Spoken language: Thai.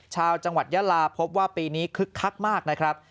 ชาวจังหวัดยาลาพบว่าปีนี้คึกคักมากนะครับ